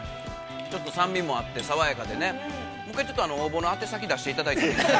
◆ちょっと酸味もあって爽やかでねもう一回、ちょっと応募の宛先出していただいていいですか。